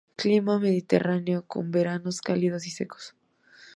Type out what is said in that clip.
Clima mediterráneo, con veranos cálidos y secos.